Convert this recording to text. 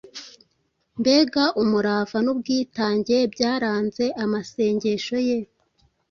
Mbega umurava n’ubwitange byaranze amasengesho ye!